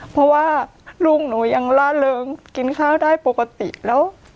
เพราะว่าลูกหนูยังล่าเริงกินข้าวได้ปกติแล้ว